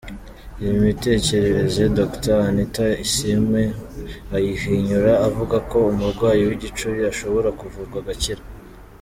Iyi mitekerereze Dr anita Asiimwe ayihinyura avuga ko umurwayi w’igicuri ashobora kuvurwa agakira.